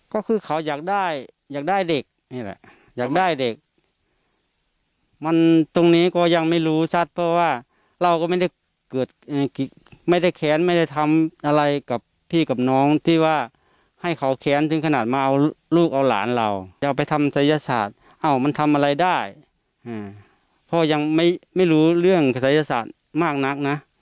ก็คือเขาอยากได้อยากได้เด็กนี่แหละอยากได้เด็กมันตรงนี้ก็ยังไม่รู้ชัดเพราะว่าเราก็ไม่ได้เกิดไม่ได้แค้นไม่ได้ทำอะไรกับพี่กับน้องที่ว่าให้เขาแค้นถึงขนาดมาเอาลูกเอาหลานเราจะเอาไปทำศัยศาสตร์อ้าวมันทำอะไรได้พ่อยังไม่รู้เรื่องศัยศาสตร์มากนักนะ